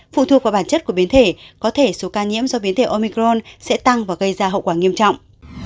phụ thuộc vào bản chất của biến thể có thể số ca nhiễm do biến thể omicron sẽ tăng và gây ra hậu quả nghiêm trọng